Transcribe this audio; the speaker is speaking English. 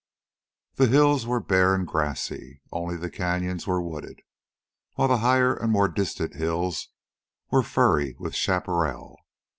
The hills were bare and grassy. Only the canyons were wooded, while the higher and more distant hills were furry with chaparral.